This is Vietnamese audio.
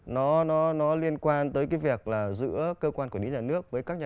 nó liên quan tới cái việc là giữa cơ quan quản lý nhà nước